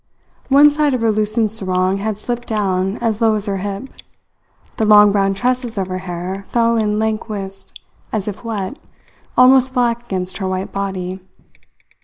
One side of her loosened sarong had slipped down as low as her hip. The long brown tresses of her hair fell in lank wisps, as if wet, almost black against her white body.